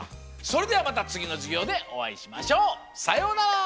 それではまたつぎのじゅぎょうでおあいしましょう！さようなら。